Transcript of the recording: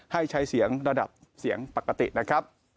ให้ใช้เสียงระดับเสียงปกตินะครับ